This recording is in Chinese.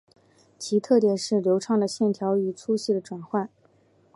其特点是流畅的线条与粗细的转换。